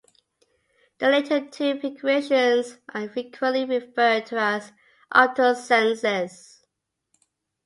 The later two configurations are frequently referred to as 'optosensors'.